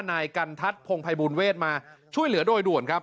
นายกันทัศน์พงภัยบูลเวทมาช่วยเหลือโดยด่วนครับ